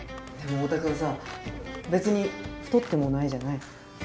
でもオオタ君さ別に太ってもないじゃない。